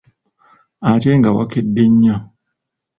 Ate nga wakedde nnyo?